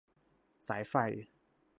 สาย ไฟ